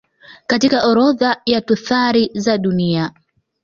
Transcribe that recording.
katika orodha ya tuthari za dunia